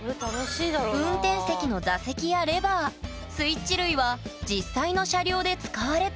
運転席の座席やレバースイッチ類は実際の車両で使われていたもの